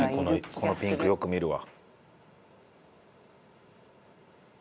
このピンクよく見るわ。